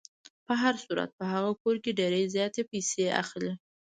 په هر صورت په هغه کور کې ډېرې زیاتې پیسې اخلي.